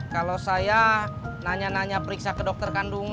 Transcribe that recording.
kalo saya nanya nanya periksa ke dokter kandungan